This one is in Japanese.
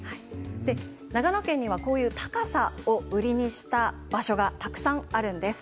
長野県には高さを売りにした場所がたくさんあります。